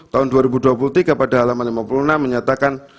tahun dua ribu dua puluh tiga pada halaman lima puluh enam menyatakan